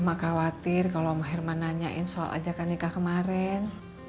ma khawatir kalau om herman nanyain soal ajakan nikah kemaren